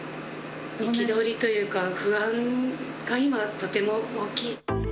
憤りというか不安が今とても大きい。